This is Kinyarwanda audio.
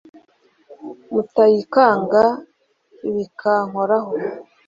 Mutayikanga bikankoraho: